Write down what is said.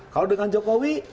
kalau dengan jokowi